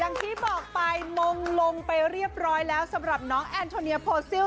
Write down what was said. อย่างที่บอกไปมงลงไปเรียบร้อยแล้วสำหรับน้องแอนโทเนียโพซิล